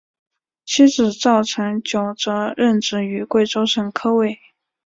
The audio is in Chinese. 妻子赵曾玖则任职于贵州省科委。